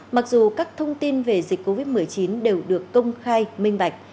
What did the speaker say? mặc dù các thông tin về dịch covid một mươi chín đều được công khai minh bạch